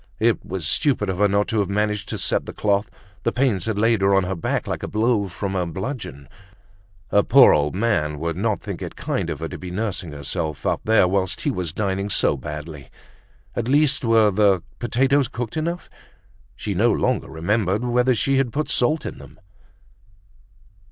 It was stupid of her not to have managed to set the cloth, the pains had laid her on her back like a blow from a bludgeon. Her poor old man would not think it kind of her to be nursing herself up there whilst he was dining so badly. At least were the potatoes cooked enough? She no longer remembered whether she had put salt in them.